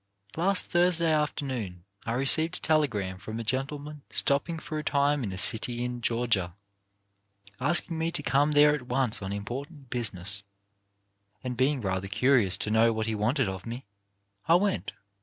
Last Thursday afternoon I received a telegram from a gentleman stopping for a time in a city in Georgia, asking me to come there at once on im portant business; and being rather curious to know what he wanted of me, I went.